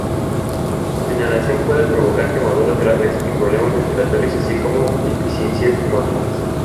Su inhalación puede provocar quemaduras graves y problemas respiratorios así como deficiencias crónicas.